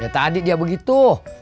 ya tadi dia begitu